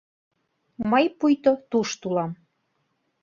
Мый пуйто тушто улам.